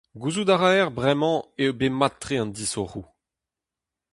Gouzout a raer bremañ eo bet mat-tre an disoc'hoù.